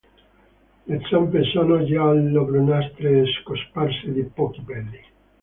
Le zampe sono giallo-brunastre e cosparse di pochi peli.